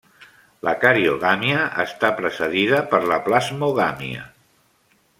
La cariogàmia està precedida per la plasmogàmia.